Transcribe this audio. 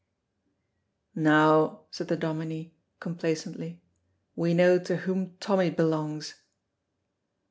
"Now," said the Dominie complacently, "we know to whom Tommy belongs."